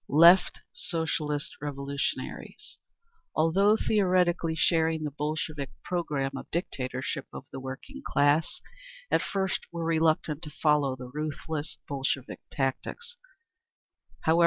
Left Socialist Revolutionaries. Although theoretically sharing the Bolshevik programme of dictatorship of the working class, at first were reluctant to follow the ruthless Bolshevik tactics.